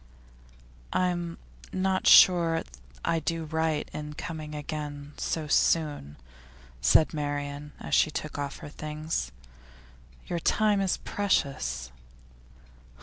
'I'm not sure that I do right in coming again so soon,' said Marian as she took off her things. 'Your time is precious.